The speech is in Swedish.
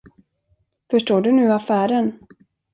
Förstår du nu affären?